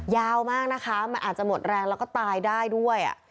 ยาวมากนะคะมันอาจจะหมดแรงแล้วก็ตายได้ด้วย